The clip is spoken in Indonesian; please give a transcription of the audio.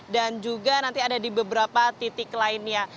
dan juga nanti ada di beberapa titik lainnya